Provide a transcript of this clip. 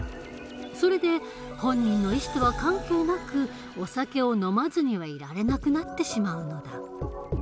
それで本人の意思とは関係なくお酒を飲まずにはいられなくなってしまうのだ。